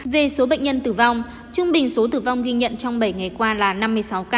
về số bệnh nhân tử vong trung bình số tử vong ghi nhận trong bảy ngày qua là năm mươi sáu ca